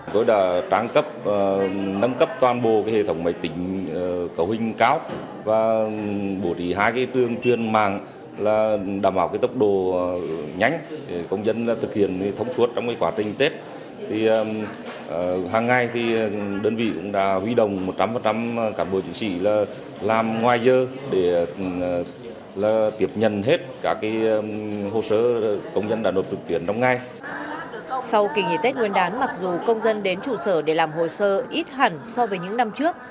sau kỳ nghỉ tết nguyên đán mặc dù công dân đến trụ sở để làm hồ sơ ít hẳn so với những năm trước